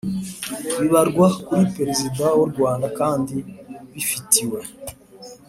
bibarwa kuri perezida w'u rwanda kandi bifitiwe